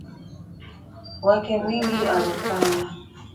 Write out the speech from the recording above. wake mwingi aliofanya